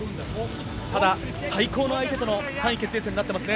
ただ最高の相手との３位決定戦となっていますね。